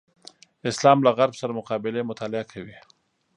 اسلام له غرب سره مقابلې مطالعه کوي.